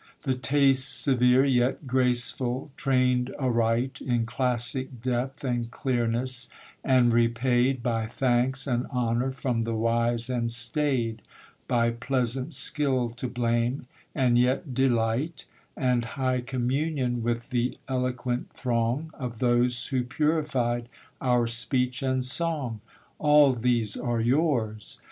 The taste severe, yet graceful, trained aright In classic depth and clearness, and repaid By thanks and honour from the wise and staid By pleasant skill to blame, and yet delight, And high communion with the eloquent throng Of those who purified our speech and song All these are yours.